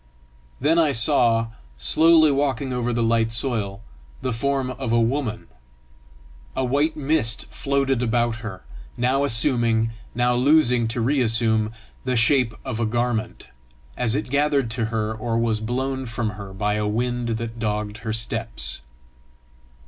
Then I saw, slowly walking over the light soil, the form of a woman. A white mist floated about her, now assuming, now losing to reassume the shape of a garment, as it gathered to her or was blown from her by a wind that dogged her steps.